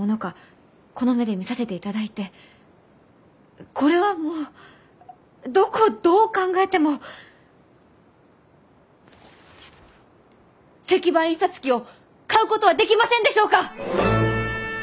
この目で見させていただいてこれはもうどこをどう考えても石版印刷機を買うことはできませんでしょうか？